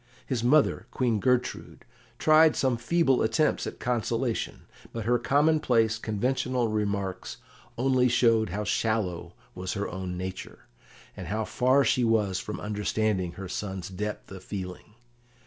His mother, Queen Gertrude, tried some feeble attempts at consolation, but her commonplace, conventional remarks only showed how shallow was her own nature, and how far she was from understanding her son's depth of feeling.